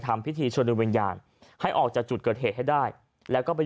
ทำพิธีเชิญโดยวิญญาณให้ออกจากจุดเกิดเหตุให้ได้แล้วก็ไป